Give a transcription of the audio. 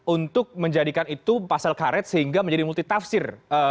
untuk menjadikan itu pasal karet sehingga menjadi multi tafsir